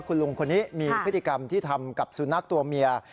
คุณลุงคนนี้มีพฤติกรรมที่ทำกับสุนัขตัวเมีย